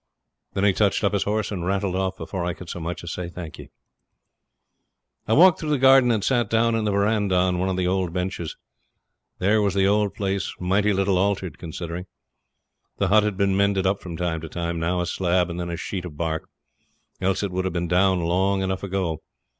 Then he touched up his horse and rattled off before I could so much as say 'Thank ye.' I walked through the garden and sat down in the verandah on one of the old benches. There was the old place, mighty little altered considering. The hut had been mended up from time to time now a slab and then a sheet of bark else it would have been down long enough ago.